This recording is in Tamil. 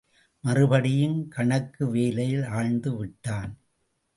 மறுபடியும் கணக்கு வேலையில் ஆழ்ந்து விட்டான்.